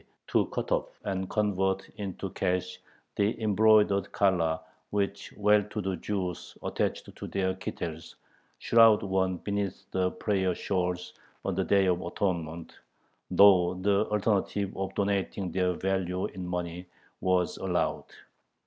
_ to cut off and convert into cash the embroidered collars which well to do Jews attached to their "Kittels" (shrouds worn beneath the prayer shawls on the Day of Atonement), though the alternative of donating their value in money was allowed.